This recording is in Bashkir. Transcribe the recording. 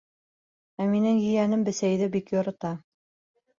Ә минең ейәнем бесәйҙе бик ярата.